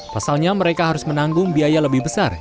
pasalnya mereka harus menanggung biaya lebih besar